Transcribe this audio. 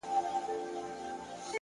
زه چي الله څخه ښكلا په سجده كي غواړم _